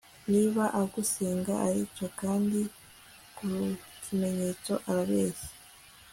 Niba agusenga arica kandi ku kimenyetso arabeshya